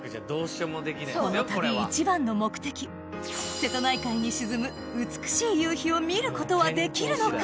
この旅一番の目的瀬戸内海に沈む美しい夕日を見ることはできるのか？